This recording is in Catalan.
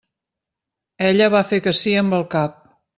Ella va fer que sí amb el cap.